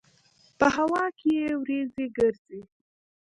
په هوا کې یې وريځې ګرځي.